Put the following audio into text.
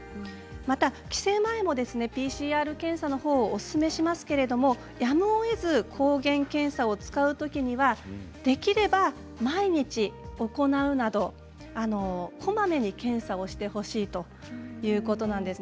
また帰省前もＰＣＲ検査のほうをおすすめしますけれどやむをえず、抗原検査を使うときにはできれば毎日行うなどこまめに検査をしてほしいということなんです。